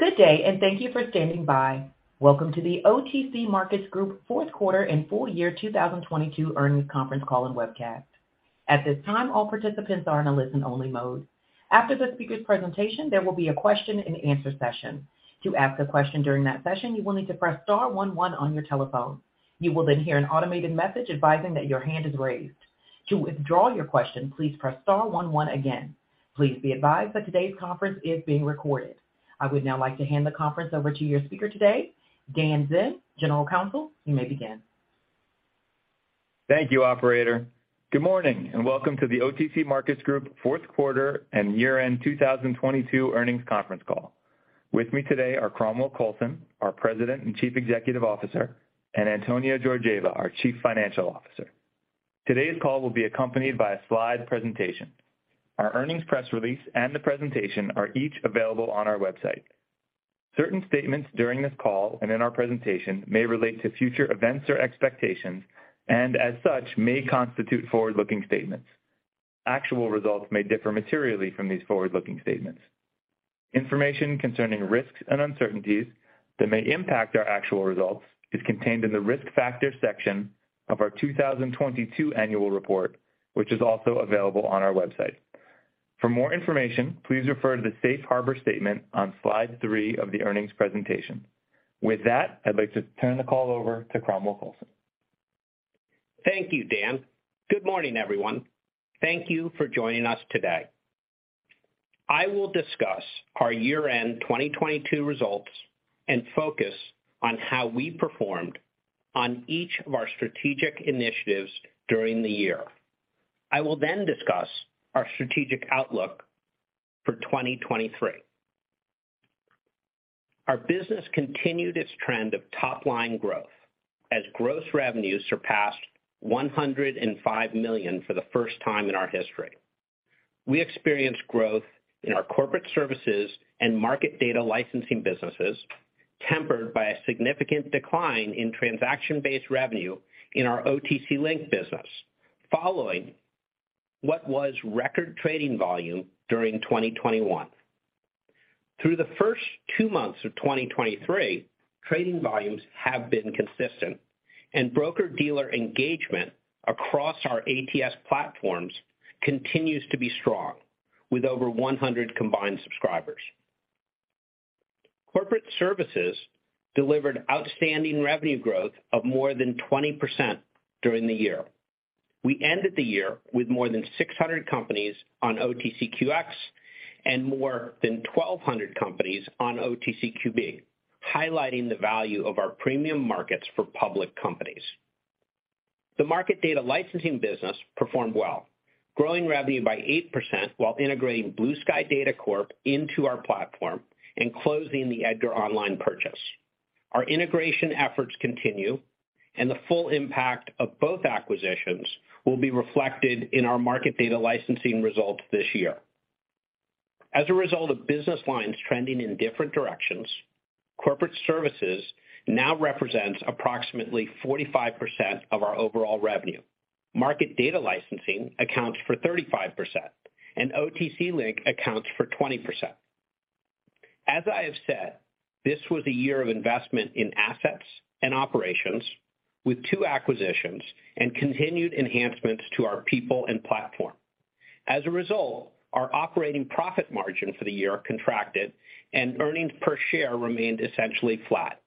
Good day, and thank you for standing by. Welcome to the OTC Markets Group Fourth Quarter and Full Year 2022 Earnings Conference Call and Webcast. At this time, all participants are in a listen-only mode. After the speaker's presentation, there will be a question and answer session. To ask a question during that session, you will need to press star one one on your telephone. You will then hear an automated message advising that your hand is raised. To withdraw your question, please press star one one again. Please be advised that today's conference is being recorded. I would now like to hand the conference over to your speaker today, Dan Zinn, General Counsel. You may begin. Thank you, operator. Good morning, and welcome to the OTC Markets Group fourth quarter and year-end 2022 earnings conference call. With me today are Cromwell Coulson, our President and Chief Executive Officer, and Antonia Georgieva, our Chief Financial Officer. Today's call will be accompanied by a slide presentation. Our earnings press release and the presentation are each available on our website. Certain statements during this call and in our presentation may relate to future events or expectations and, as such, may constitute forward-looking statements. Actual results may differ materially from these forward-looking statements. Information concerning risks and uncertainties that may impact our actual results is contained in the Risk Factors section of our 2022 annual report, which is also available on our website. For more information, please refer to the Safe Harbor statement on slide three of the earnings presentation. With that, I'd like to turn the call over to Cromwell Coulson. Thank you, Dan. Good morning, everyone. Thank you for joining us today. I will discuss our year-end 2022 results and focus on how we performed on each of our strategic initiatives during the year. I will then discuss our strategic outlook for 2023. Our business continued its trend of top-line growth as gross revenue surpassed $105 million for the first time in our history. We experienced growth in our corporate services and market data licensing businesses, tempered by a significant decline in transaction-based revenue in our OTC Link business following what was record trading volume during 2021. Through the first two months of 2023, trading volumes have been consistent and broker-dealer engagement across our ATS platforms continues to be strong with over 100 combined subscribers. Corporate services delivered outstanding revenue growth of more than 20% during the year. We ended the year with more than 600 companies on OTCQX and more than 1,200 companies on OTCQB, highlighting the value of our premium markets for public companies. The market data licensing business performed well, growing revenue by 8% while integrating Blue Sky Data Corp into our platform and closing the EDGAR Online purchase. Our integration efforts continue and the full impact of both acquisitions will be reflected in our market data licensing results this year. As a result of business lines trending in different directions, corporate services now represents approximately 45% of our overall revenue. Market data licensing accounts for 35%, and OTC Link accounts for 20%. As I have said, this was a year of investment in assets and operations with two acquisitions and continued enhancements to our people and platform. As a result, our operating profit margin for the year contracted and earnings per share remained essentially flat.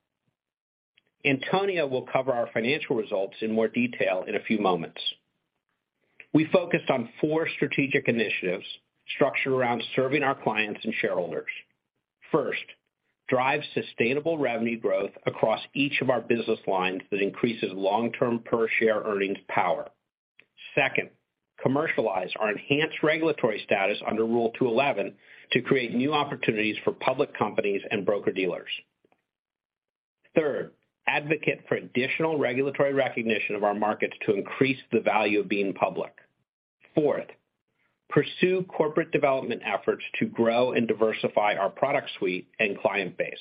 Antonia will cover our financial results in more detail in a few moments. We focused on four strategic initiatives structured around serving our clients and shareholders. First, drive sustainable revenue growth across each of our business lines that increases long-term per share earnings power. Second, commercialize our enhanced regulatory status under Rule 2-11 to create new opportunities for public companies and broker-dealers. Third, advocate for additional regulatory recognition of our markets to increase the value of being public. Fourth, pursue corporate development efforts to grow and diversify our product suite and client base.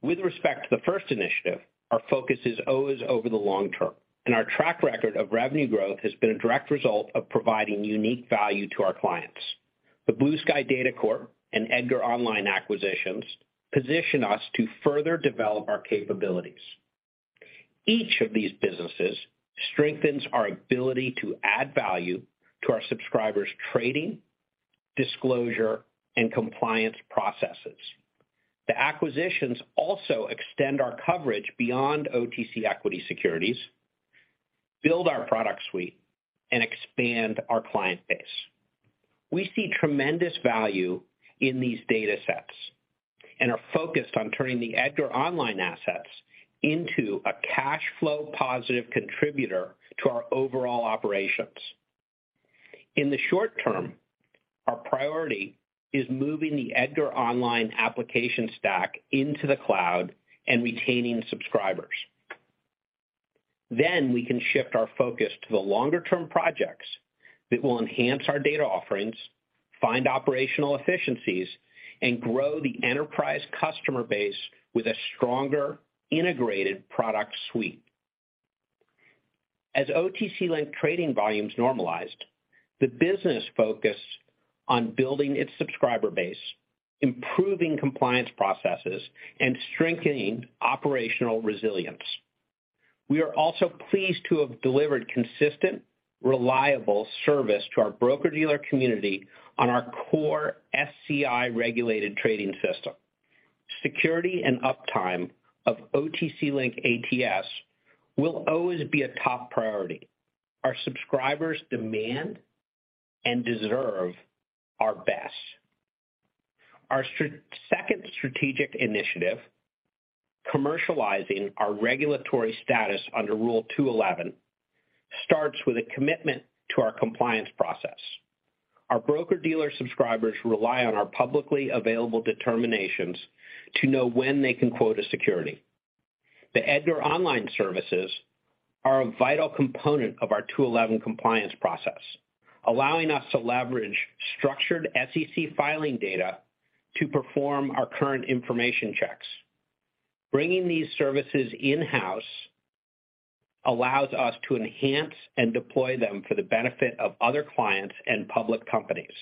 With respect to the first initiative, our focus is always over the long term, our track record of revenue growth has been a direct result of providing unique value to our clients. The Blue Sky Data Corp and EDGAR Online acquisitions position us to further develop our capabilities. Each of these businesses strengthens our ability to add value to our subscribers' trading, disclosure, and compliance processes. The acquisitions also extend our coverage beyond OTC equity securities, build our product suite, and expand our client base. We see tremendous value in these data sets and are focused on turning the EDGAR Online assets into a cash flow positive contributor to our overall operations. In the short term, our priority is moving the EDGAR Online application stack into the cloud and retaining subscribers. We can shift our focus to the longer-term projects that will enhance our data offerings, find operational efficiencies, and grow the enterprise customer base with a stronger integrated product suite. As OTC Link trading volumes normalized, the business focused on building its subscriber base, improving compliance processes, and strengthening operational resilience. We are also pleased to have delivered consistent, reliable service to our broker-dealer community on our core SCI-regulated trading system. Security and uptime of OTC Link ATS will always be a top priority. Our subscribers demand and deserve our best. Our second strategic initiative, commercializing our regulatory status under Rule 2-11, starts with a commitment to our compliance process. Our broker-dealer subscribers rely on our publicly available determinations to know when they can quote a security. The EDGAR Online services are a vital component of our 2-11 compliance process, allowing us to leverage structured SEC filing data to perform our current information checks. Bringing these services in-house allows us to enhance and deploy them for the benefit of other clients and public companies.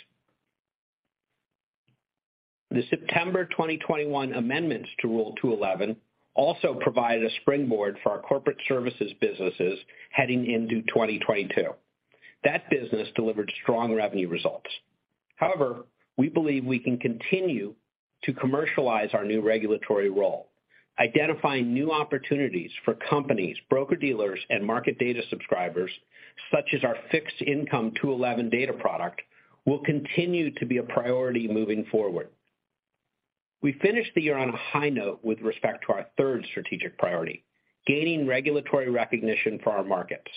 The September 2021 amendments to Rule 2-11 also provided a springboard for our corporate services businesses heading into 2022. That business delivered strong revenue results. We believe we can continue to commercialize our new regulatory role, identifying new opportunities for companies, broker-dealers, and market data subscribers, such as our fixed income Rule 2-11 data product, will continue to be a priority moving forward. We finished the year on a high note with respect to our third strategic priority, gaining regulatory recognition for our markets.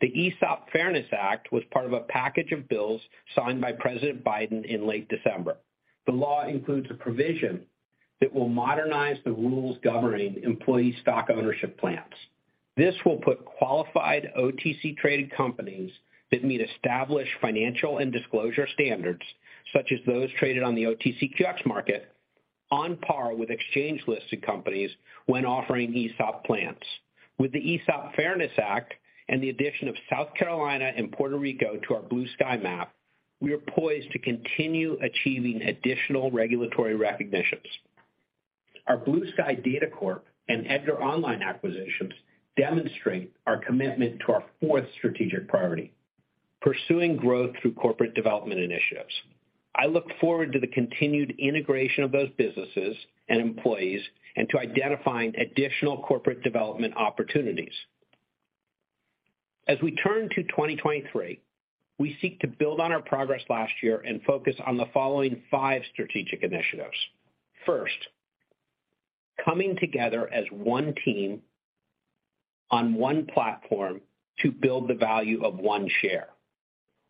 The ESOP Fairness Act was part of a package of bills signed by President Biden in late December. The law includes a provision that will modernize the rules governing employee stock ownership plans. This will put qualified OTC-traded companies that meet established financial and disclosure standards, such as those traded on the OTCQX market, on par with exchange-listed companies when offering ESOP plans. With the ESOP Fairness Act and the addition of South Carolina and Puerto Rico to our Blue Sky map, we are poised to continue achieving additional regulatory recognitions. Our Blue Sky Data Corp and EDGAR Online acquisitions demonstrate our commitment to our fourth strategic priority, pursuing growth through corporate development initiatives. I look forward to the continued integration of those businesses and employees and to identifying additional corporate development opportunities. We turn to 2023, we seek to build on our progress last year and focus on the following five strategic initiatives. First, coming together as one team on one platform to build the value of one share.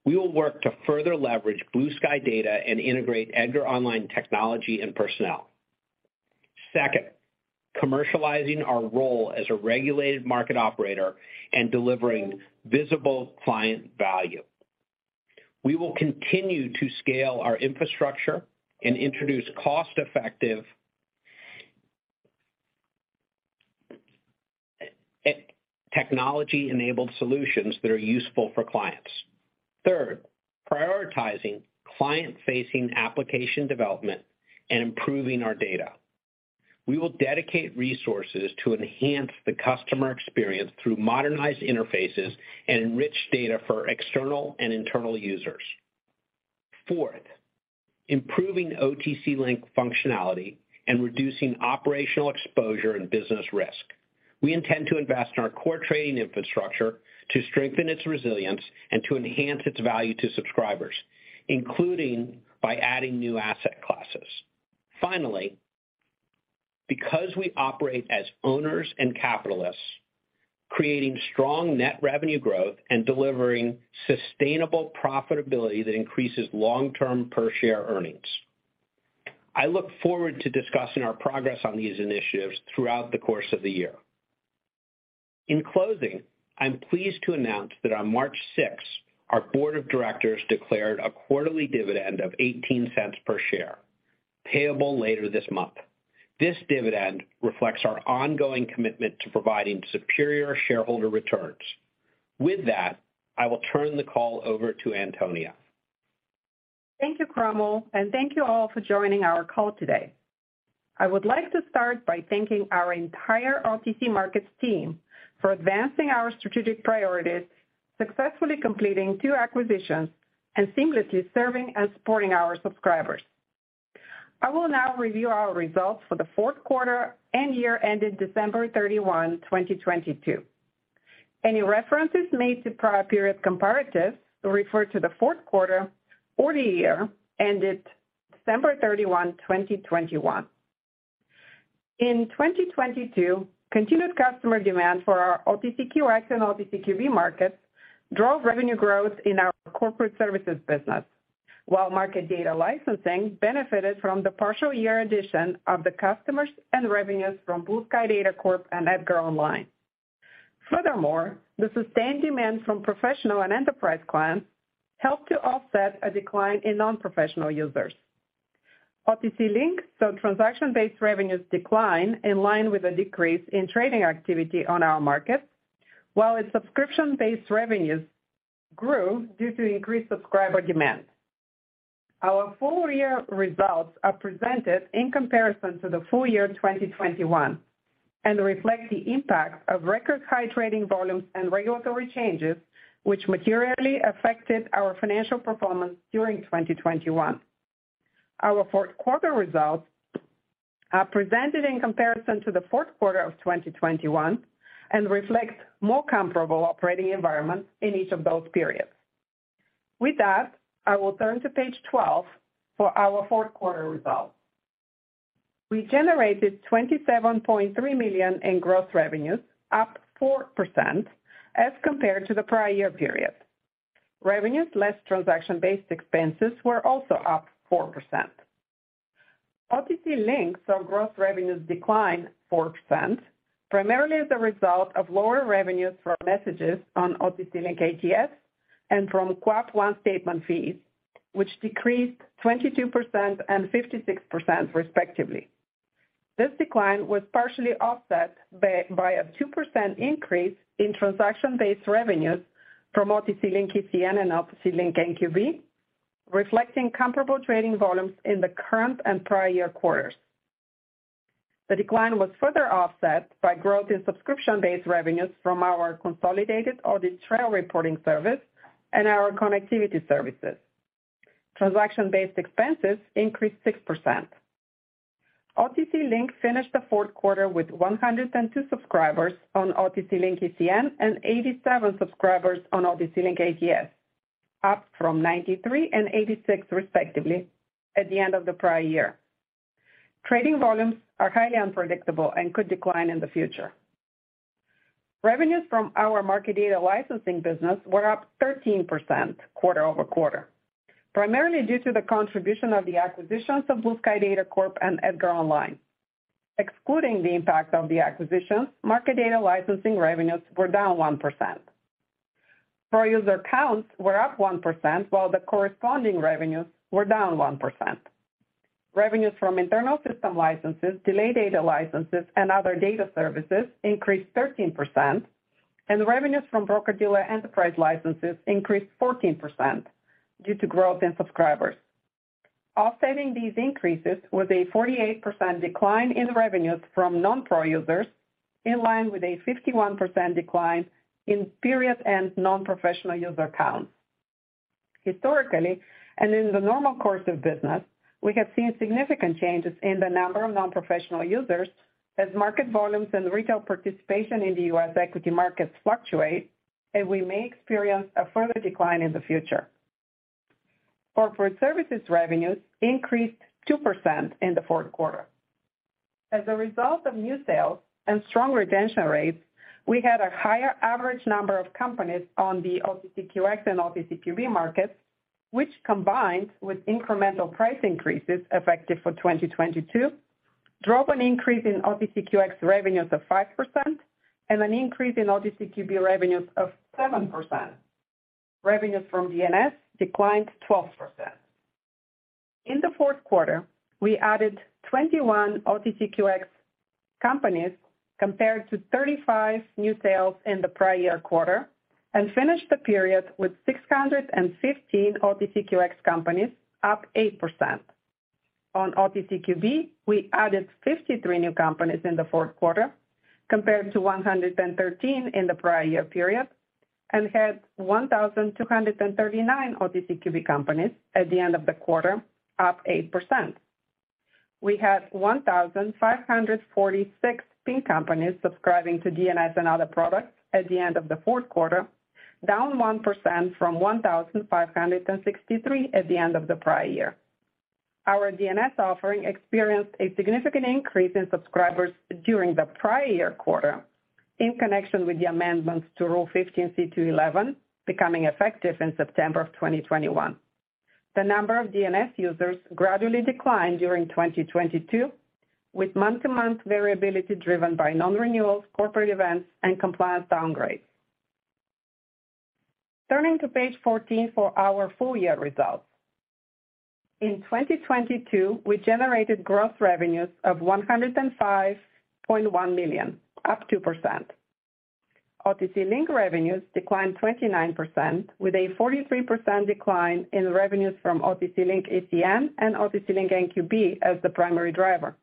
We will work to further leverage Blue Sky data and integrate EDGAR Online technology and personnel. Second, commercializing our role as a regulated market operator and delivering visible client value. We will continue to scale our infrastructure and introduce cost-effective technology-enabled solutions that are useful for clients. Third, prioritizing client-facing application development and improving our data. We will dedicate resources to enhance the customer experience through modernized interfaces and enrich data for external and internal users. Fourth, improving OTC Link functionality and reducing operational exposure and business risk. We intend to invest in our core trading infrastructure to strengthen its resilience and to enhance its value to subscribers, including by adding new asset classes. Finally, because we operate as owners and capitalists, creating strong net revenue growth and delivering sustainable profitability that increases long-term per share earnings. I look forward to discussing our progress on these initiatives throughout the course of the year. In closing, I'm pleased to announce that on March 6th, our board of directors declared a quarterly dividend of $0.18 per share, payable later this month. This dividend reflects our ongoing commitment to providing superior shareholder returns. With that, I will turn the call over to Antonia. Thank you, Cromwell. Thank you all for joining our call today. I would like to start by thanking our entire OTC Markets team for advancing our strategic priorities, successfully completing two acquisitions, and seamlessly serving and supporting our subscribers. I will now review our results for the fourth quarter and year ended December 31, 2022. Any references made to prior period comparatives will refer to the fourth quarter or the year ended December 31, 2021. In 2022, continued customer demand for our OTCQX and OTCQB markets drove revenue growth in our corporate services business, while market data licensing benefited from the partial year addition of the customers and revenues from Blue Sky Data Corp and EDGAR Online. Furthermore, the sustained demand from professional and enterprise clients helped to offset a decline in non-professional users. OTC Link saw transaction-based revenues decline in line with a decrease in trading activity on our markets, while its subscription-based revenues grew due to increased subscriber demand. Our full year results are presented in comparison to the full year 2021, reflect the impact of record high trading volumes and regulatory changes, which materially affected our financial performance during 2021. Our fourth quarter results are presented in comparison to the fourth quarter of 2021 reflects more comparable operating environments in each of those periods. I will turn to page 12 for our fourth quarter results. We generated $27.3 million in gross revenues, up 4% as compared to the prior year period. Revenues less transaction-based expenses were also up 4%. OTC Link saw gross revenues decline 4%, primarily as a result of lower revenues from messages on OTC Link ATS and from QAP One statement fees, which decreased 22% and 56% respectively. This decline was partially offset by a 2% increase in transaction-based revenues from OTC Link ECN and OTC Link NQB, reflecting comparable trading volumes in the current and prior year quarters. The decline was further offset by growth in subscription-based revenues from our Consolidated Audit Trail reporting service and our connectivity services. Transaction-based expenses increased 6%. OTC Link finished the fourth quarter with 102 subscribers on OTC Link ECN and 87 subscribers on OTC Link ATS, up from 93 and 86 respectively at the end of the prior year. Trading volumes are highly unpredictable and could decline in the future. Revenues from our market data licensing business were up 13% quarter-over-quarter, primarily due to the contribution of the acquisitions of Blue Sky Data Corp and EDGAR Online. Excluding the impact of the acquisitions, market data licensing revenues were down 1%. Pro user counts were up 1%, while the corresponding revenues were down 1%. Revenues from internal system licenses, delay data licenses, and other data services increased 13%, and revenues from broker-dealer enterprise licenses increased 14% due to growth in subscribers. Offsetting these increases was a 48% decline in revenues from non-pro users, in line with a 51% decline in period and non-professional user counts. Historically, and in the normal course of business, we have seen significant changes in the number of non-professional users as market volumes and retail participation in the U.S. equity markets fluctuate, and we may experience a further decline in the future. Corporate services revenues increased 2% in the fourth quarter. As a result of new sales and strong retention rates, we had a higher average number of companies on the OTCQX and OTCQB markets, which combined with incremental price increases effective for 2022, drove an increase in OTCQX revenues of 5% and an increase in OTCQB revenues of 7%. Revenues from DNS declined 12%. In the fourth quarter, we added 21 OTCQX companies compared to 35 new sales in the prior year quarter and finished the period with 615 OTCQX companies, up 8%. On OTCQB, we added 53 new companies in the fourth quarter compared to 113 in the prior year period and had 1,239 OTCQB companies at the end of the quarter, up 8%. We had 1,546 pink companies subscribing to DNS and other products at the end of the fourth quarter, down 1% from 1,563 at the end of the prior year. Our DNS offering experienced a significant increase in subscribers during the prior year quarter in connection with the amendments to Rule 15c2-11 becoming effective in September of 2021. The number of DNS users gradually declined during 2022, with month-to-month variability driven by non-renewals, corporate events and compliance downgrades. Turning to page 14 for our full year results. In 2022, we generated gross revenues of $105.1 million, up 2%. OTC Link revenues declined 29% with a 43% decline in revenues from OTC Link ECN and OTC Link NQB as the primary driver.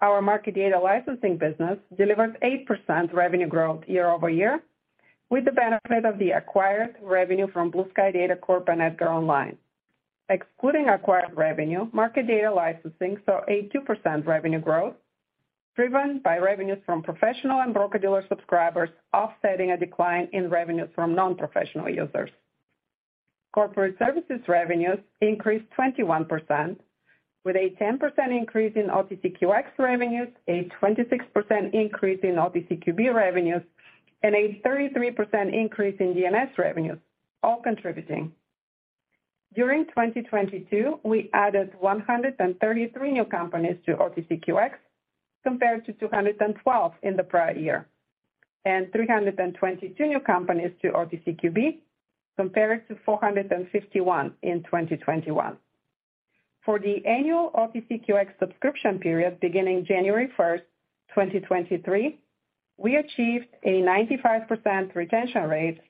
Our market data licensing business delivered 8% revenue growth year-over-year with the benefit of the acquired revenue from Blue Sky Data Corp and EDGAR Online. Excluding acquired revenue, market data licensing saw 82% revenue growth, driven by revenues from professional and broker-dealer subscribers offsetting a decline in revenues from non-professional users. Corporate services revenues increased 21% with a 10% increase in OTCQX revenues, a 26% increase in OTCQB revenues, and a 33% increase in DNS revenues, all contributing. During 2022, we added 133 new companies to OTCQX, compared to 212 in the prior year. 322 new companies to OTCQB, compared to 451 in 2021. For the annual OTCQX subscription period beginning January 1st, 2023, we achieved a 95% retention rate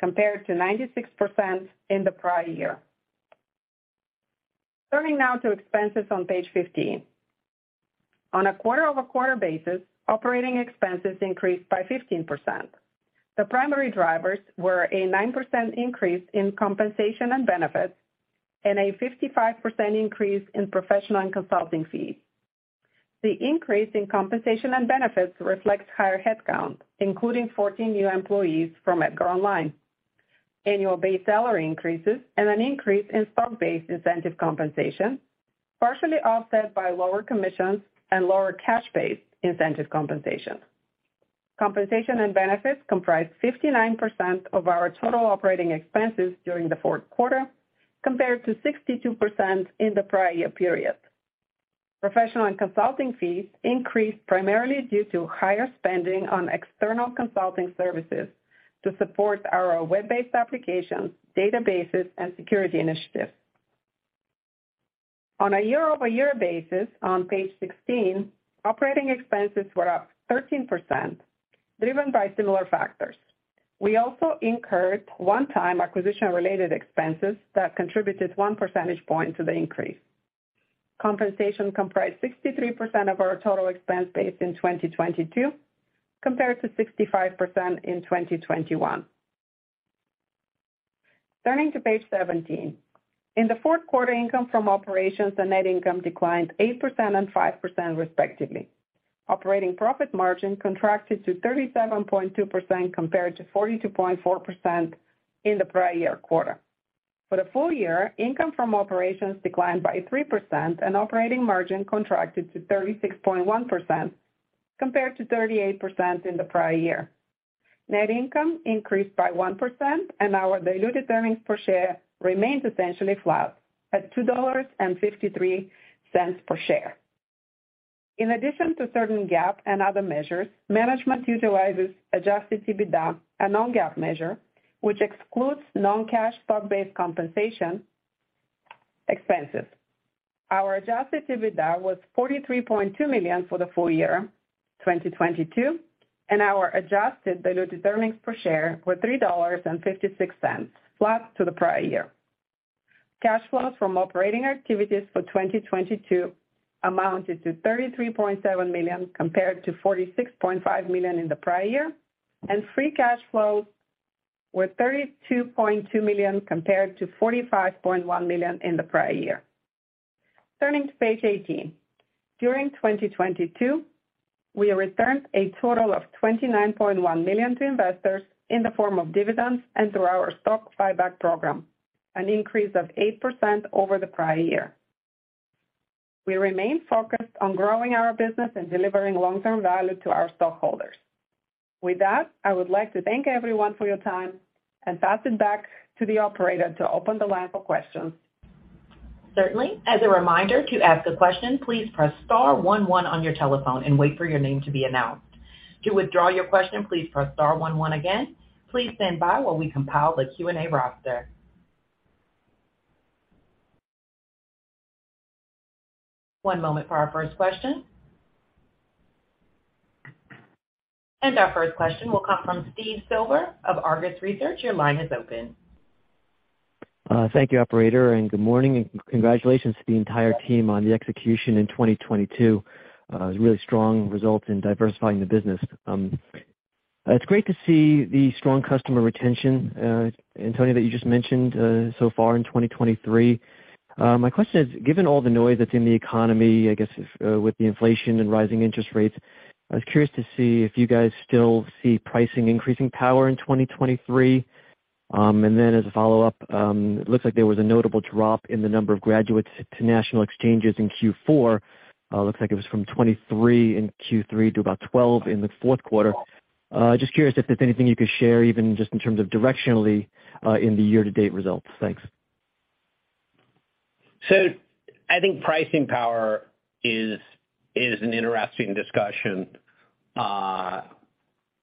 compared to 96% in the prior year. Turning now to expenses on page 15. On a quarter-over-quarter basis, operating expenses increased by 15%. The primary drivers were a 9% increase in compensation and benefits and a 55% increase in professional and consulting fees. The increase in compensation and benefits reflects higher headcount, including 14 new employees from EDGAR Online, annual base salary increases, and an increase in stock-based incentive compensation, partially offset by lower commissions and lower cash base incentive compensation. Compensation and benefits comprised 59% of our total operating expenses during the fourth quarter, compared to 62% in the prior year period. Professional and consulting fees increased primarily due to higher spending on external consulting services to support our web-based applications, databases, and security initiatives. On a year-over-year basis on page 16, operating expenses were up 13%, driven by similar factors. We also incurred one-time acquisition related expenses that contributed 1 percentage point to the increase. Compensation comprised 63% of our total expense base in 2022, compared to 65% in 2021. Turning to page 17. In the fourth quarter, income from operations and net income declined 8% and 5% respectively. Operating profit margin contracted to 37.2% compared to 42.4% in the prior year quarter. For the full year, income from operations declined by 3% and operating margin contracted to 36.1% compared to 38% in the prior year. Net income increased by 1% and our diluted earnings per share remained essentially flat at $2.53 per share. In addition to certain GAAP and other measures, management utilizes Adjusted EBITDA, a non-GAAP measure, which excludes non-cash stock-based compensation expenses. Our Adjusted EBITDA was $43.2 million for the full year 2022, and our adjusted diluted earnings per share were $3.56, flat to the prior year. Cash flows from operating activities for 2022 amounted to $33.7 million compared to $46.5 million in the prior year, and free cash flows were $32.2 million compared to $45.1 million in the prior year. Turning to page 18. During 2022, we returned a total of $29.1 million to investors in the form of dividends and through our stock buyback program, an increase of 8% over the prior year. We remain focused on growing our business and delivering long-term value to our stockholders. With that, I would like to thank everyone for your time and pass it back to the operator to open the line for questions. Certainly. As a reminder, to ask a question, please press star one one on your telephone and wait for your name to be announced. To withdraw your question, please press star one one again. Please stand by while we compile the Q&A roster. One moment for our first question. Our first question will come from Steve Silver of Argus Research. Your line is open. Thank you, operator, good morning and congratulations to the entire team on the execution in 2022. It was really strong results in diversifying the business. It's great to see the strong customer retention, Antonia, that you just mentioned so far in 2023. My question is, given all the noise that's in the economy, I guess, with the inflation and rising interest rates, I was curious to see if you guys still see pricing increasing power in 2023. As a follow-up, it looks like there was a notable drop in the number of graduates to national exchanges in Q4. Looks like it was from 23 in Q3 to about 12 in the fourth quarter. Just curious if there's anything you could share even just in terms of directionally in the year-to-date results. Thanks. I think pricing power is an interesting discussion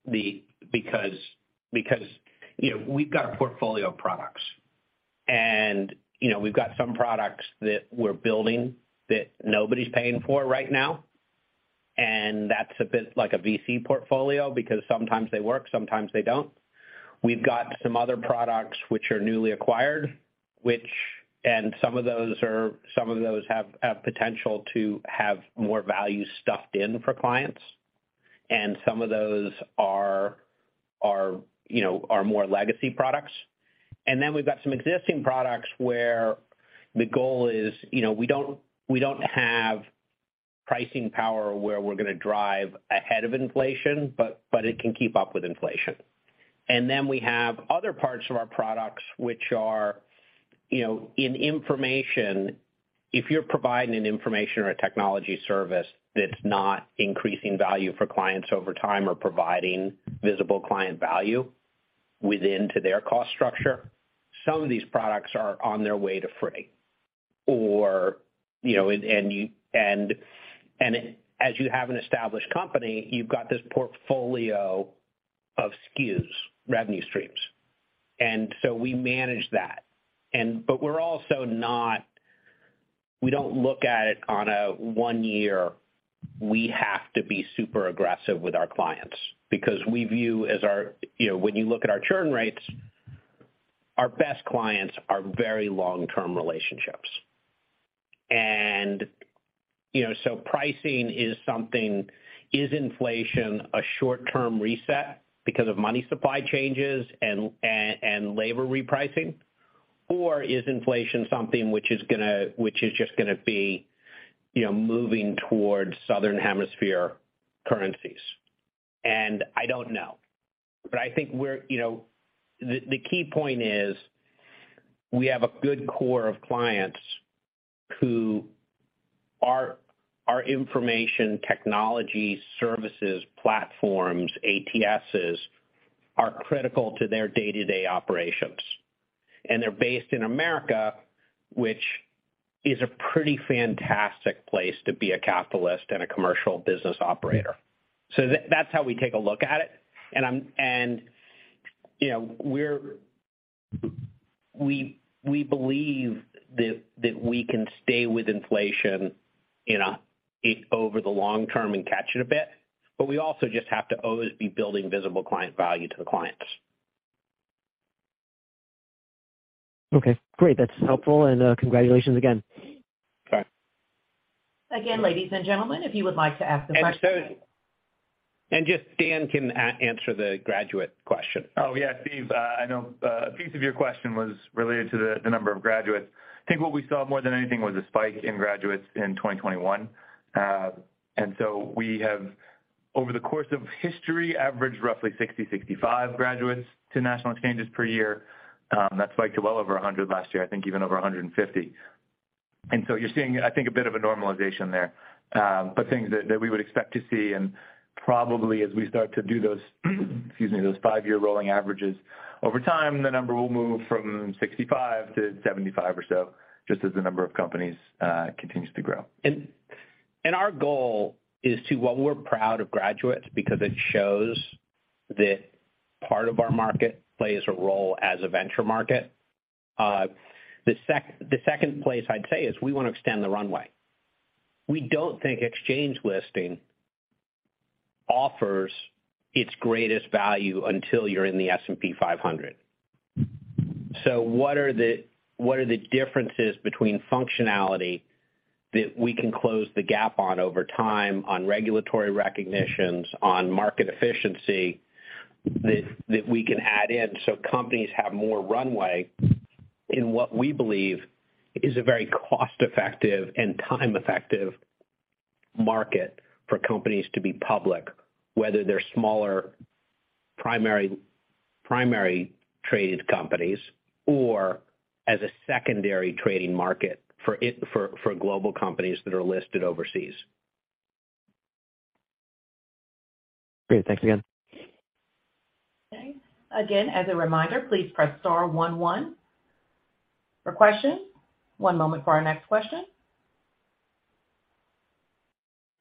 because, you know, we've got a portfolio of products. You know, we've got some products that we're building that nobody's paying for right now, and that's a bit like a VC portfolio because sometimes they work, sometimes they don't. We've got some other products which are newly acquired, which, and some of those have potential to have more value stuffed in for clients. Some of those are, you know, are more legacy products. Then we've got some existing products where the goal is, you know, we don't have pricing power where we're gonna drive ahead of inflation, but it can keep up with inflation. We have other parts of our products which are, you know, in information, if you're providing an information or a technology service that's not increasing value for clients over time or providing visible client value within to their cost structure, some of these products are on their way to free. You know, as you have an established company, you've got this portfolio of SKUs, revenue streams. We manage that. We don't look at it on a one year. We have to be super aggressive with our clients because we view as our, you know, when you look at our churn rates, our best clients are very long-term relationships. You know, pricing is something. Is inflation a short-term reset because of money supply changes and labor repricing? Is inflation something which is just gonna be, you know, moving towards southern hemisphere currencies? I don't know. I think we're, you know, the key point is we have a good core of clients who our information technology services platforms, ATSs, are critical to their day-to-day operations. They're based in America, which is a pretty fantastic place to be a capitalist and a commercial business operator. That's how we take a look at it. you know, we believe that we can stay with inflation over the long term and catch it a bit. We also just have to always be building visible client value to the clients. Okay, great. That's helpful. Congratulations again. Okay. Ladies and gentlemen, if you would like to ask a question. Just Dan can answer the graduate question. Steve, I know a piece of your question was related to the number of graduates. I think what we saw more than anything was a spike in graduates in 2021. We have, over the course of history, averaged roughly 60-65 graduates to national exchanges per year. That spiked to well over 100 last year, I think even over 150. You're seeing, I think, a bit of a normalization there. Things that we would expect to see and probably as we start to do those, excuse me, those five-year rolling averages. Over time, the number will move from 65 to 75 or so, just as the number of companies continues to grow. Our goal is to, we're proud of graduates because it shows that part of our market plays a role as a venture market. The second place I'd say is we wanna extend the runway. We don't think exchange listing offers its greatest value until you're in the S&P 500. What are the differences between functionality that we can close the gap on over time on regulatory recognitions, on market efficiency that we can add in so companies have more runway in what we believe is a very cost-effective and time-effective market for companies to be public, whether they're smaller primary traded companies or as a secondary trading market for global companies that are listed overseas. Great. Thanks again. Okay. Again, as a reminder, please press star one one for questions. One moment for our next question.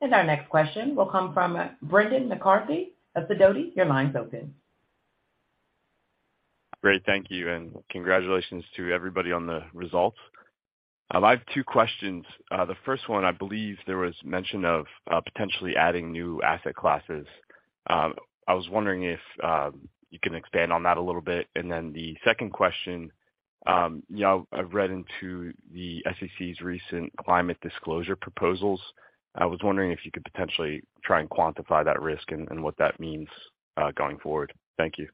Our next question will come from Brendan McCarthy of Sidoti. Your line's open. Great. Thank you, and congratulations to everybody on the results. I have two questions. The first one, I believe there was mention of, potentially adding new asset classes. I was wondering if, you can expand on that a little bit. The second question, you know, I've read into the SEC's recent climate disclosure proposals. I was wondering if you could potentially try and quantify that risk and what that means, going forward. Thank you.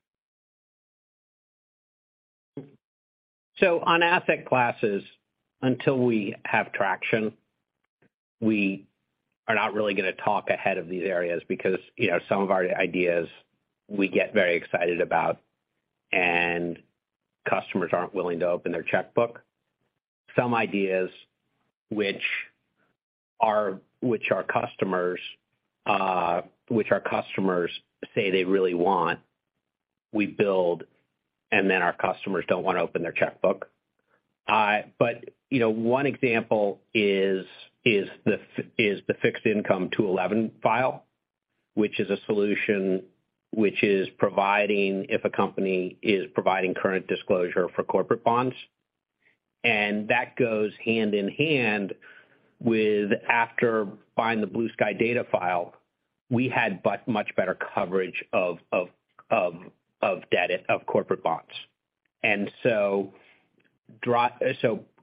On asset classes, until we have traction, we are not really gonna talk ahead of these areas because, you know, some of our ideas we get very excited about and customers aren't willing to open their checkbook. Some ideas which our customers say they really want, we build, and then our customers don't wanna open their checkbook. You know, one example is the fixed income 2-11 file, which is a solution if a company is providing current disclosure for corporate bonds. That goes hand in hand with after buying the Blue Sky data file, we had but much better coverage of corporate bonds.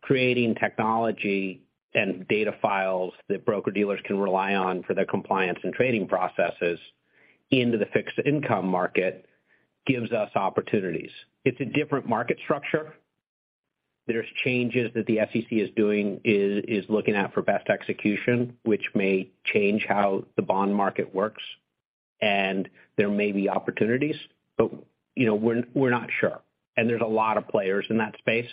Creating technology and data files that broker-dealers can rely on for their compliance and trading processes into the fixed income market gives us opportunities. It's a different market structure. There's changes that the SEC is doing, is looking at for best execution, which may change how the bond market works. There may be opportunities, but, you know, we're not sure. There's a lot of players in that space.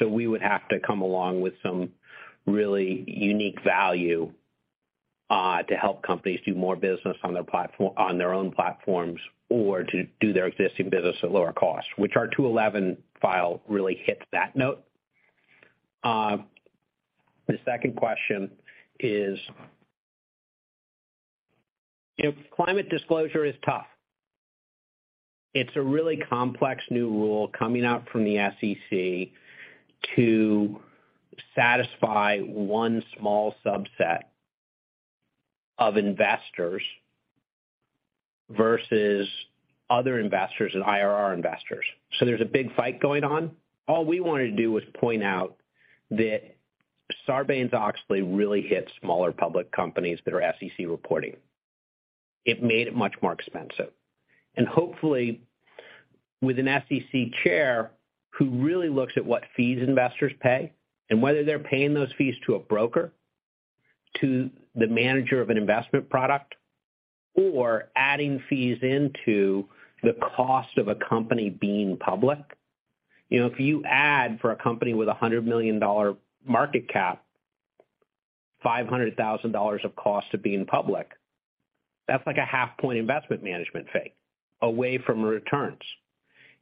We would have to come along with some really unique value to help companies do more business on their own platforms or to do their existing business at lower costs, which our 2-11 file really hits that note. The second question is. You know, climate disclosure is tough. It's a really complex new rule coming out from the SEC to satisfy one small subset of investors versus other investors and IRR investors. There's a big fight going on. All we wanted to do was point out that Sarbanes-Oxley really hit smaller public companies that are SEC reporting. It made it much more expensive. Hopefully with an SEC chair who really looks at what fees investors pay and whether they're paying those fees to a broker, to the manager of an investment product, or adding fees into the cost of a company being public. You know, if you add for a company with a $100 million market cap, $500,000 of cost of being public, that's like a half point investment management fee away from returns.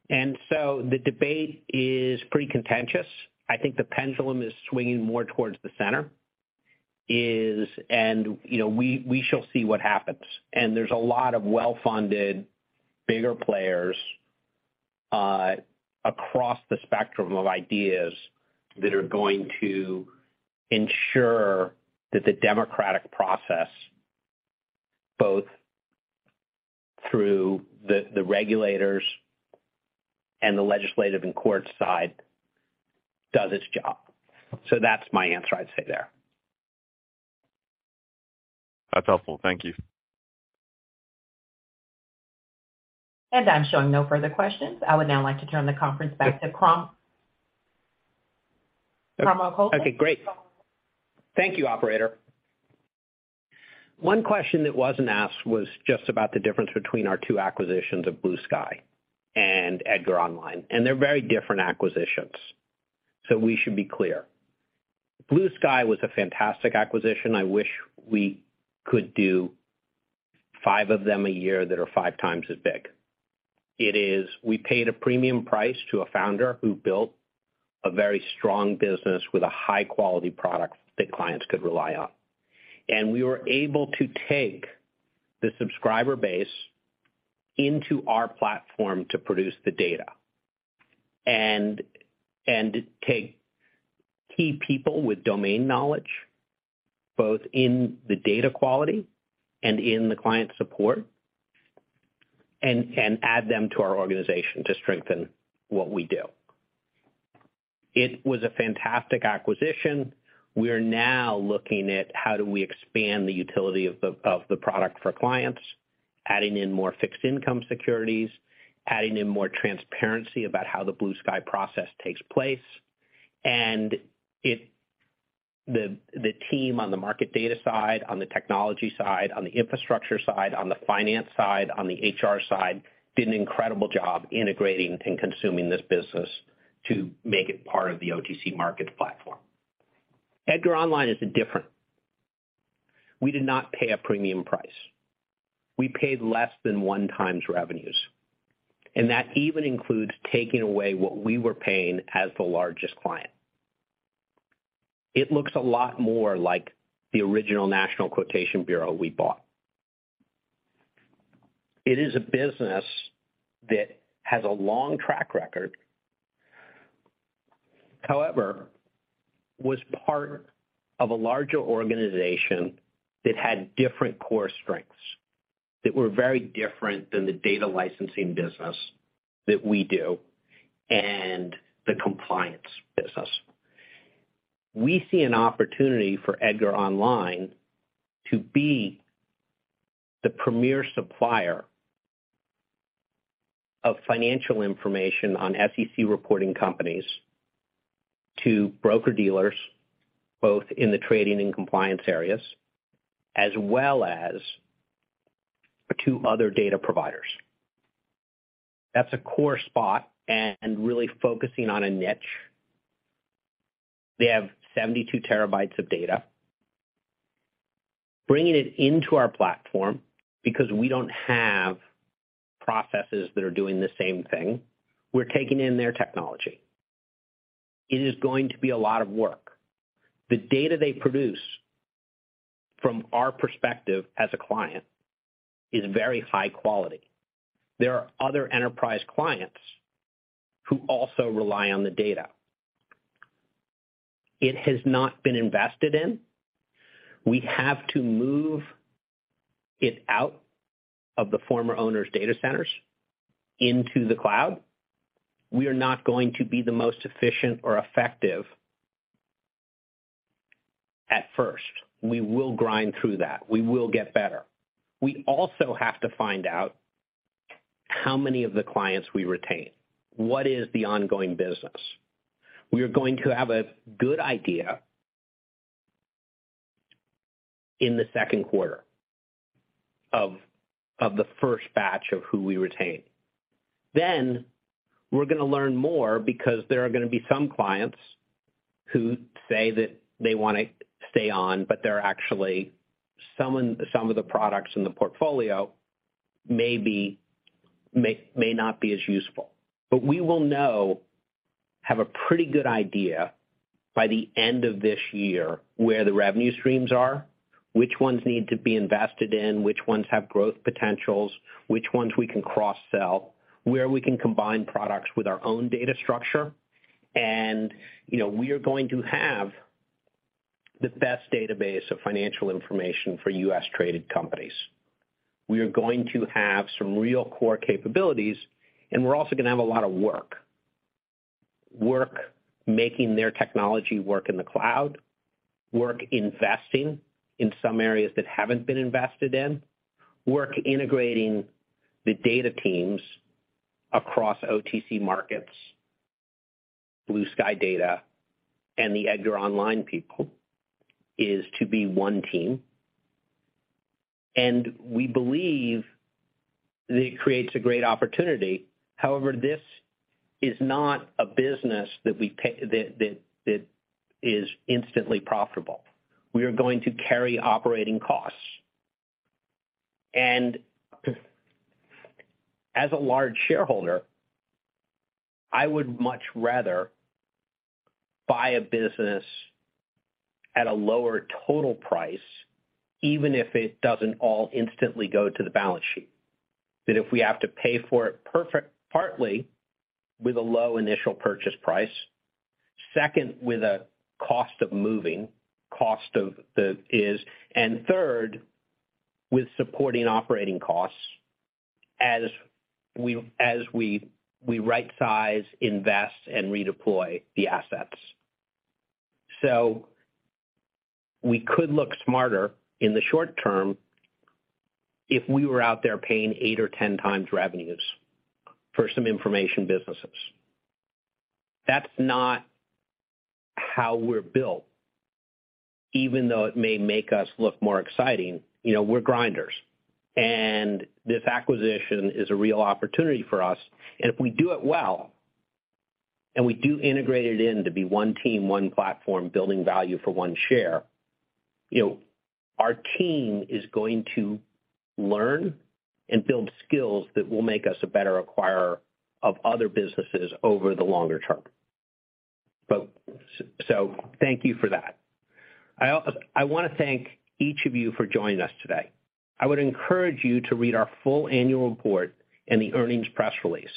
The debate is pretty contentious. I think the pendulum is swinging more towards the center, you know, we shall see what happens. There's a lot of well-funded bigger players across the spectrum of ideas that are going to ensure that the democratic process, both through the regulators and the legislative and court side, does its job. That's my answer, I'd say there. That's helpful. Thank you. I'm showing no further questions. I would now like to turn the conference back to Cromwell Coulson. Okay, great. Thank you, operator. One question that wasn't asked was just about the difference between our two acquisitions of Blue Sky and EDGAR Online. They're very different acquisitions. We should be clear. Blue Sky was a fantastic acquisition. I wish we could do five of them a year that are five times as big. We paid a premium price to a founder who built a very strong business with a high-quality product that clients could rely on. We were able to take the subscriber base into our platform to produce the data and take key people with domain knowledge, both in the data quality and in the client support, and add them to our organization to strengthen what we do. It was a fantastic acquisition. We are now looking at how do we expand the utility of the product for clients, adding in more fixed income securities, adding in more transparency about how the Blue Sky process takes place. The team on the market data side, on the technology side, on the infrastructure side, on the finance side, on the HR side, did an incredible job integrating and consuming this business to make it part of the OTC Markets platform. EDGAR Online is different. We did not pay a premium price. We paid less than 1 times revenues, and that even includes taking away what we were paying as the largest client. It looks a lot more like the original National Quotation Bureau we bought. It is a business that has a long track record. However, was part of a larger organization that had different core strengths that were very different than the data licensing business that we do and the compliance business. We see an opportunity for EDGAR Online to be the premier supplier of financial information on SEC reporting companies to broker-dealers, both in the trading and compliance areas, as well as to other data providers. That's a core spot and really focusing on a niche. They have 72 TB of data. Bringing it into our platform, because we don't have processes that are doing the same thing, we're taking in their technology. It is going to be a lot of work. The data they produce from our perspective as a client is very high quality. There are other enterprise clients who also rely on the data. It has not been invested in. We have to move it out of the former owner's data centers into the cloud. We are not going to be the most efficient or effective at first. We will grind through that. We will get better. We also have to find out how many of the clients we retain. What is the ongoing business? We are going to have a good idea in the second quarter. Of the first batch of who we retain. We're gonna learn more because there are gonna be some clients who say that they wanna stay on, but they're actually some of the products in the portfolio may not be as useful. We will know, have a pretty good idea by the end of this year where the revenue streams are, which ones need to be invested in, which ones have growth potentials, which ones we can cross-sell, where we can combine products with our own data structure. You know, we are going to have the best database of financial information for U.S.-traded companies. We are going to have some real core capabilities, and we're also gonna have a lot of work. Work making their technology work in the cloud, work investing in some areas that haven't been invested in, work integrating the data teams across OTC Markets, Blue Sky data, and the EDGAR Online people is to be one team. We believe that it creates a great opportunity. However, this is not a business that we pa-- that is instantly profitable. We are going to carry operating costs. As a large shareholder, I would much rather buy a business at a lower total price, even if it doesn't all instantly go to the balance sheet. That if we have to pay for it partly with a low initial purchase price, second, with a cost of moving, cost of the IS, and third, with supporting operating costs as we rightsize, invest, and redeploy the assets. We could look smarter in the short term if we were out there paying 8 or 10 times revenues for some information businesses. That's not how we're built, even though it may make us look more exciting. You know, we're grinders, and this acquisition is a real opportunity for us. If we do it well, and we do integrate it in to be one team, one platform, building value for one share, you know, our team is going to learn and build skills that will make us a better acquirer of other businesses over the longer term. Thank you for that. I wanna thank each of you for joining us today. I would encourage you to read our full annual report and the earnings press release.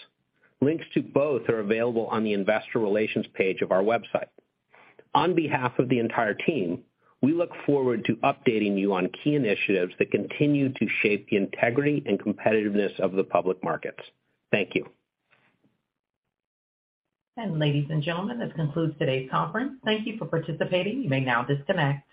Links to both are available on the investor relations page of our website. On behalf of the entire team, we look forward to updating you on key initiatives that continue to shape the integrity and competitiveness of the public markets. Thank you. Ladies and gentlemen, this concludes today's conference. Thank you for participating. You may now disconnect.